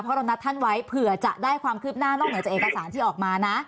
เพราะเรานัดท่านไว้เผื่อจะได้ความคืบหน้านอกเหนือจากเอกสารที่ออกมานะ